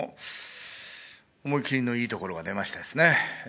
思い切りのいいところが出ましたね。